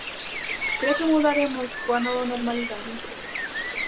Cre que mudaremos coa "nova normalidade"?